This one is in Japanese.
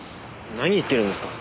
何を言ってるんですか？